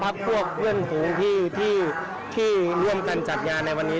พวกเพื่อนของพี่ที่เรื่องการจัดงานในวันนี้